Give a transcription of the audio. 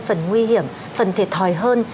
phần nguy hiểm phần thể thòi hơn